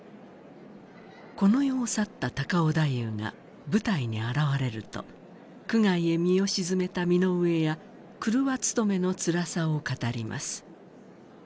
この世を去った高尾太夫が舞台に現れると苦界へ身を沈めた身の上や廓つとめの辛さを語ります。